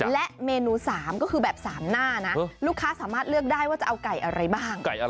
และเมนู๓ก็คือแบบ๓หน้านะลูกค้าสามารถเลือกได้ว่าจะเอาไก่อะไรบ้าง